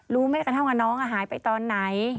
รู้แม่กระเท่ากับน้องอะหายไปตอนไหน